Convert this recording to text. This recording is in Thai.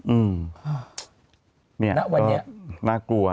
อืมนี่น่ากลัว